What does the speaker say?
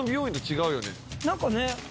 何かね